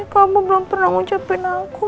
kamu belum pernah ngucapin aku